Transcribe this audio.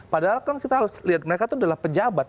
padahal kan kita harus lihat mereka itu adalah pejabat